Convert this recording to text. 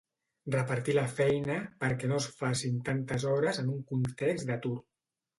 Repartir la feina perquè no es facin tantes hores en un context d’atur.